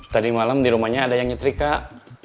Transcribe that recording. tadi malam di rumahnya ada yang nyetir kak